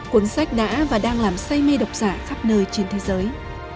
cuốn sách đã và đang làm say mê độc giả khắp nơi trên thế giới